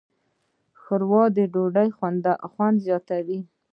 ښوروا د ډوډۍ خوند زیاتوي.